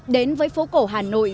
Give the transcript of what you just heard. đến với phố cổ hà nội